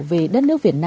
về đất nước việt nam